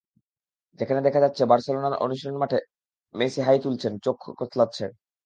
যেখানে দেখা যাচ্ছে বার্সেলোনার অনুশীলন মাঠে মেসি হাই তুলছেন, চোখ কচলাচ্ছেন।